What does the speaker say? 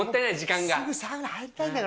すぐサウナ入りたいんだから。